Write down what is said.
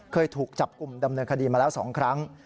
เคยถูกจับกลุ่มดำเนินคดีมาแล้ว๒ครั้ง